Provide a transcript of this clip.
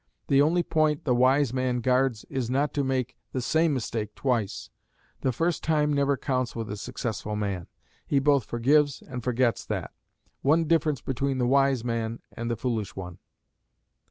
The only point the wise man guards is not to make the same mistake twice; the first time never counts with the successful man. He both forgives and forgets that. One difference between the wise man and the foolish one!